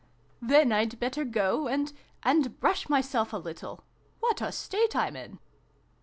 Then I'd better go and and brush myself a little. What a state I'm in